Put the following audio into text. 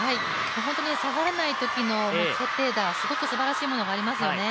下がらないときの決定打、すばらしいものがありますよね。